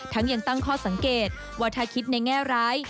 ยังตั้งข้อสังเกตว่าถ้าคิดในแง่ร้าย